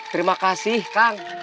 terima kasih kang